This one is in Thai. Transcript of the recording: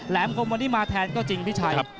แหลมคนวันนี้มาแทนก็จริงพี่ชัยครับ